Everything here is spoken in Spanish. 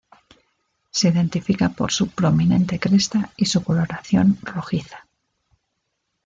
Se identifica por su prominente cresta y su coloración rojiza.